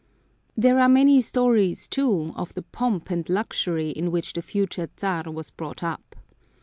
There are many stories, too, of the pomp and luxury in which the future Czar was brought up.